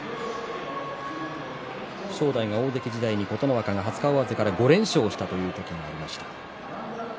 正代が大関時代に琴ノ若が初顔合わせから５連勝したということがありました。